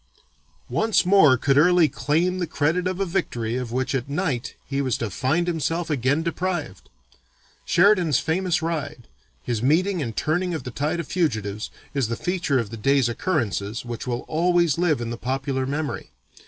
Once more could Early claim the credit of a victory of which at night he was to find himself again deprived. Sheridan's famous ride, his meeting and turning of the tide of fugitives, is the feature of the day's occurrences which will always live in the popular memory.